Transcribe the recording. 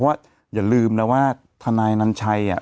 เพราะว่าอย่าลืมนะว่าทนายนันชัยอ่ะ